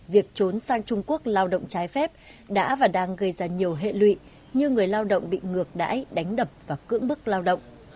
việc trốn sang trung quốc lao động trái phép đã và đang gây ra nhiều hệ lụy như người lao động bị ngược đãi đánh đập và cưỡng bức lao động